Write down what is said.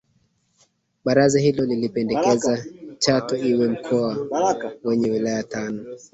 Baraza hilo lilipendekeza Chato iwe mkoa wenye wilaya tano